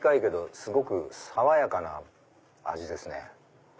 すごく爽やかな味ですね。